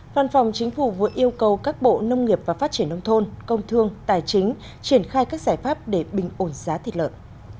văn phòng chính phủ vừa yêu cầu các bộ nông nghiệp và phát triển nông thôn công thương tài chính triển khai các giải pháp để bình ổn giá thịt lợn